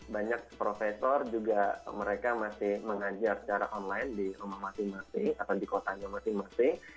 banyak profesor juga mereka masih mengajar secara online di rumah masing masing atau di kotanya masing masing